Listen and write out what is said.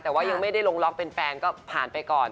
แต่ว่ายังไม่ได้ลงล็อกเป็นแฟนก็ผ่านไปก่อน